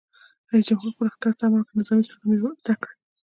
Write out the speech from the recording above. رئیس جمهور خپلو عسکرو ته امر وکړ؛ نظامي سلامي زده کړئ!